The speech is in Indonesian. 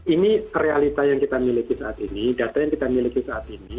ini realita yang kita miliki saat ini data yang kita miliki saat ini